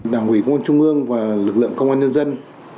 đảng ủy công an trung ương và lực lượng công an nhân dân